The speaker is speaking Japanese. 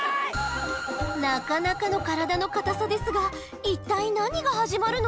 なかなかの体の硬さですが一体何が始まるの？